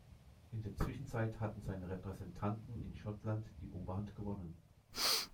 In der Zwischenzeit hatten seine Repräsentanten in Schottland die Oberhand gewonnen.